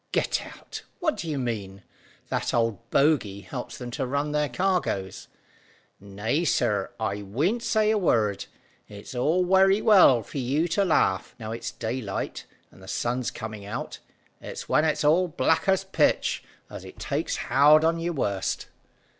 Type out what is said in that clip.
"Get out! What do you mean? That old Bogey helps them to run their cargoes?" "Nay, sir, I wean't say a word. It's all werry well for you to laugh, now it's daylight, and the sun coming out. It's when it's all black as pitch, as it takes howd on you worst."